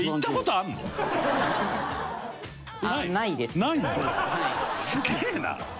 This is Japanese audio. すげえな。